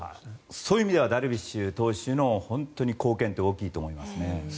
そういう意味ではダルビッシュ投手の貢献って大きいと思いますね。